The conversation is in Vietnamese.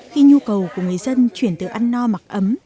khi nhu cầu của người dân chuyển từ ăn no mặc ấm